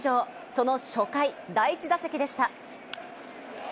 その初回、第１打席でした。